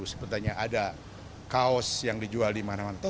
sepertinya ada kaos yang dijual di mana mana